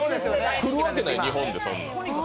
来るわけない、日本に、そんな。